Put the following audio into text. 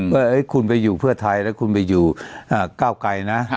ว่าคุณไปอยู่เพื่อไทยแล้วคุณไปอยู่ก้าวไกลนะ